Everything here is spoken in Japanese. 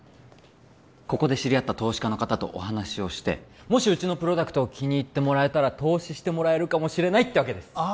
ここで知り合った投資家の方とお話をしてもしうちのプロダクトを気に入ってもらえたら投資してもらえるかもしれないってわけですあ